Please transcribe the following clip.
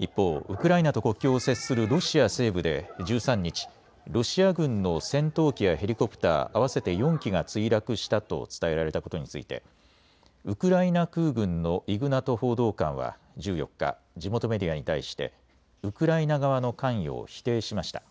一方、ウクライナと国境を接するロシア西部で１３日、ロシア軍の戦闘機やヘリコプター合わせて４機が墜落したと伝えられたことについてウクライナ空軍のイグナト報道官は１４日、地元メディアに対してウクライナ側の関与を否定しました。